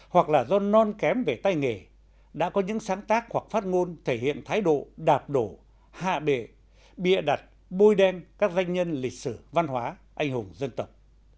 hoặc là do non kém về tay nghề đã có những sáng tác hoặc phát ngôn thể hiện thái độ đạp đổ hạ bệ bịa đặt bôi đen các danh nhân lịch sử văn hóa anh hùng dân tộc